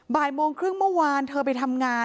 บ่ายโมงครึ่งเมื่อวานเธอไปทำงาน